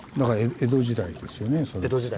江戸時代ですね。